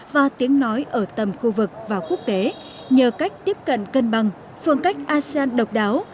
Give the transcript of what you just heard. và tiếng nói ở tầm khu vực và quốc tế nhờ cách tiếp cận cân bằng phương cách asean độc đáo